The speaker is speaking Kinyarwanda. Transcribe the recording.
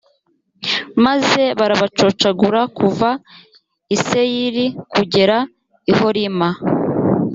maze barabacocagura, kuva i seyiri kugera i horima.